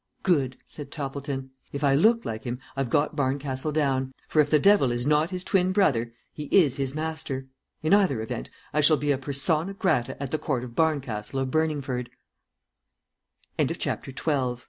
"Good," said Toppleton. "If I look like him I've got Barncastle down, for if the devil is not his twin brother, he is his master. In either event I shall be a persona grata at the court of Barncastle of Burningford." CHAPTER XIII. AT BARNCASTLE HALL. TOPPLETON'S surmises a